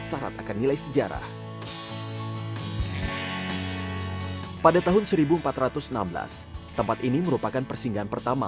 syarat akan nilai sejarah pada tahun seribu empat ratus enam belas tempat ini merupakan persinggahan pertama